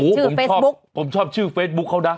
โอ้โหผมชอบชื่อเฟซบุ๊กเขานะ